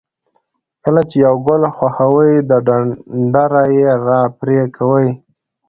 کله چې یو ګل خوښوئ د ډنډره یې را پرې کوئ.